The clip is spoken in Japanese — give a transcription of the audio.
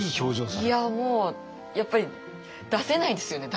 いやもうやっぱり出せないですよね。